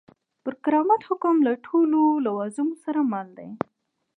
پر کرامت حکم له ټولو لوازمو سره مل دی.